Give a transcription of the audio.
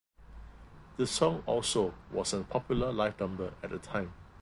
The song also was a popular live number at the time.